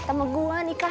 lu aja gak bakal nikah